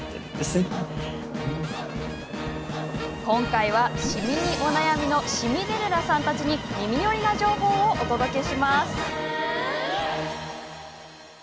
今回は、シミにお悩みのシミデレラさんたちに耳よりな情報をお届けします。